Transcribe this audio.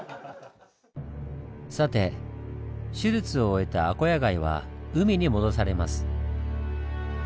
さて手術を終えたアコヤ貝は海に戻されます。